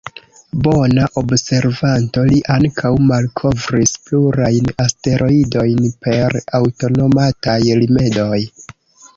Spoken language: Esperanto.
Bona observanto, li ankaŭ malkovris plurajn asteroidojn per aŭtomataj rimedoj.